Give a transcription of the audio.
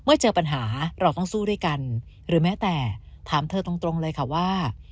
เจอปัญหาเราต้องสู้ด้วยกันหรือแม้แต่ถามเธอตรงเลยค่ะว่า